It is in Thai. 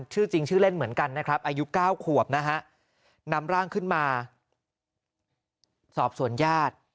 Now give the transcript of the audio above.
ชื่อจริงชื่อเล่นเหมือนกันนะครับอายุ๙ขวบนะฮะนำร่างขึ้นมาสอบสวนญาติ